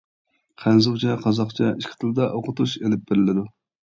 خەنزۇچە قازاقچە ئىككى تىلدا ئوقۇتۇش ئېلىپ بېرىلىدۇ.